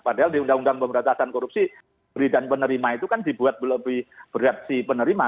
padahal di undang undang pemberantasan korupsi beri dan penerima itu kan dibuat lebih berat si penerima